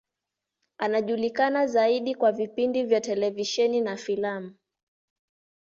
Anajulikana zaidi kwa vipindi vya televisheni na filamu.